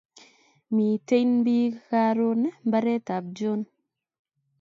Miten bik karun mbaret ab John